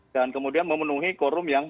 dan kemudian memenuhi korum yang